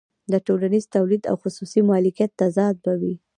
د ټولنیز تولید او خصوصي مالکیت تضاد به وي